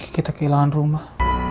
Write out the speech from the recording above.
kita kehilangan rumah